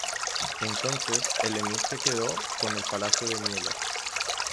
Entonces el emir se queda con el palacio de Müller.